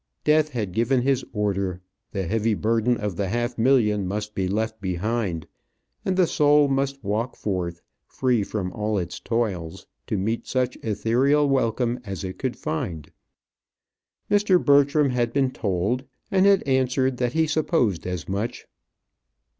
Death had given his order; the heavy burden of the half million must be left behind, and the soul must walk forth, free from all its toils, to meet such æthereal welcome as it could find. Mr. Bertram had been told, and had answered, that he supposed as much.